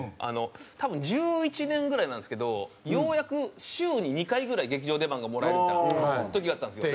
多分２０１１年ぐらいなんですけどようやく週に２回ぐらい劇場出番がもらえるみたいな時があったんですよ。